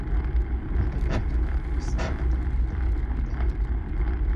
ভেতরে ভেতরে আমার স্ফুর্তি তখন দেখে কে!